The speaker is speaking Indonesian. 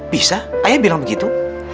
bisa ayah bilang begitu